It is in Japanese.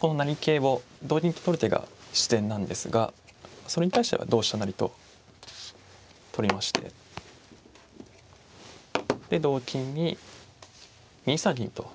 この成桂を同銀と取る手が自然なんですがそれに対して同飛車成と取りましてで同金に２三銀と。